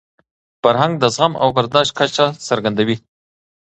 فرهنګ د زغم او برداشت کچه څرګندوي.